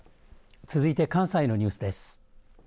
続いて関西のニュースです。